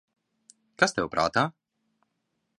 Kas tev prātā?